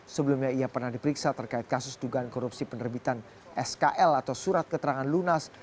sebelumnya ia pernah diperiksa terkait kasus dugaan korupsi penerbitan skl atau surat keterangan lunas